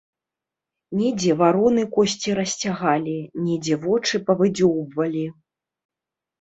Недзе вароны косці расцягалі, недзе вочы павыдзёўбвалі.